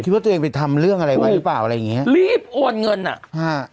คิดว่าตัวเองไปทำเรื่องอะไรไว้หรือเปล่าอะไรอย่างเงี้ยรีบโอนเงินอ่ะฮะ